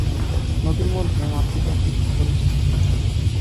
নারীর মধ্যে মাতৃ-ভাবটি খুব পরিস্ফুট।